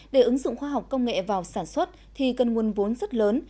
để ứng dụng khoa học công nghệ vào sản xuất thì cần nguồn vốn rất lớn